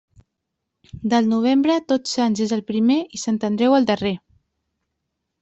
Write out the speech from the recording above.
Del novembre, Tots Sants és el primer i Sant Andreu el darrer.